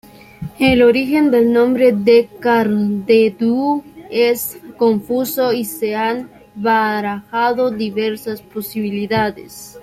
El origen del nombre de Cardedeu es confuso y se han barajado diversas posibilidades.